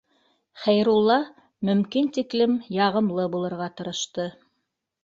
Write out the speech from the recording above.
Хәйрулла мөмкин тиклем яғымлы булырға тырышты